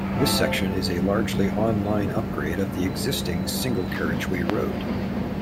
This section is a largely on-line upgrade of the existing single-carriageway road.